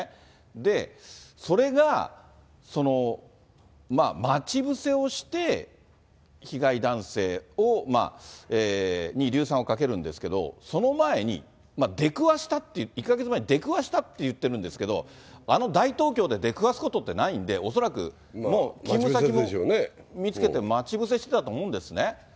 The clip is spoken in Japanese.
で、それが、待ち伏せをして、被害男性に硫酸をかけるんですけど、その前に出くわしたって、１か月前に出くわしたって言ってるんですけど、あの大東京で出くわすことってないんで、恐らく、もう勤務先も見つけて、待ち伏せしてたと思うんですね。